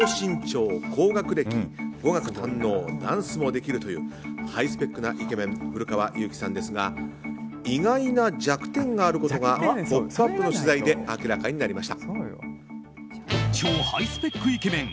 高身長、超高学歴、語学堪能ダンスもできるというハイスペックなイケメン古川雄輝さんですが意外な弱点があることが「ポップＵＰ！」の取材で超ハイスペックイケメン